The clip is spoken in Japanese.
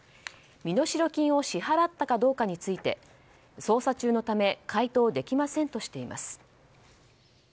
身代金を支払ったかどうかについて捜査中のため回答できませんとしています。